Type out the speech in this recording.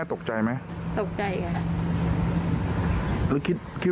ตกใจเมื่อกี้ครับ